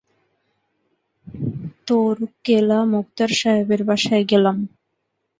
তোরকেলা মোক্তার সাহেবের বাসায় গেলাম!